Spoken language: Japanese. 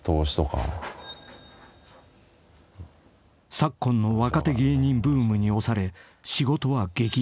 ［昨今の若手芸人ブームに押され仕事は激減］